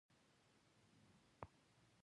خو په دغه ټولګه کې د پښتون ژغورني غورځنګ.